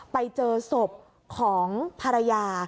ไปเจอศพของภรรยา